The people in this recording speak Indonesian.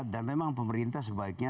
dan memang pemerintah sebagian